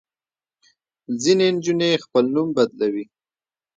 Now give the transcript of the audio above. ځینې نجونې خپل نوم بدلوي.